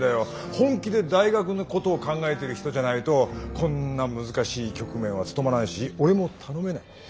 本気で大学のことを考えてる人じゃないとこんな難しい局面は務まらないし俺も頼めない。